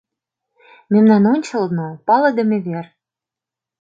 Мемнан ончылно — палыдыме вер.